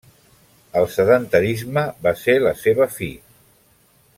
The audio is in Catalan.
El sedentarisme va ser la seva fi.